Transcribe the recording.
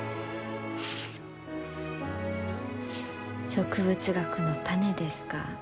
植物学の種ですか。